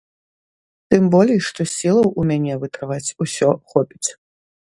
Тым болей, што сілаў у мяне вытрываць усё хопіць.